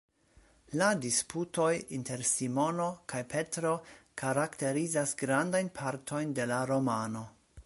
La disputoj inter Simono kaj Petro karakterizas grandajn partojn de la romano.